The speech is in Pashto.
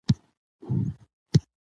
تر څو چې توان لرئ کار وکړئ.